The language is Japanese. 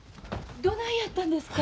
どないやったんですか？